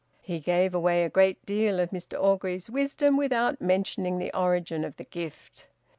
He gave away a great deal of Mr Orgreave's wisdom without mentioning the origin of the gift.